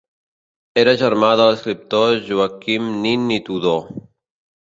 Era germà de l'escriptor Joaquim Nin i Tudó.